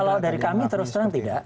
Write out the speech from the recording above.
kalau dari kami terus terang tidak